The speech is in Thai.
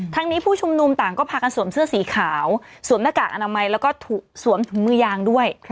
นี้ผู้ชุมนุมต่างก็พากันสวมเสื้อสีขาวสวมหน้ากากอนามัยแล้วก็สวมถุงมือยางด้วย